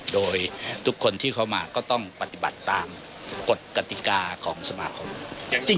โดยทุกคนที่เขามาก็ต้องปฏิบัติตามกฎกติกาของสมาคม